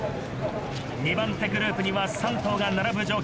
２番手グループには３頭が並ぶ状況。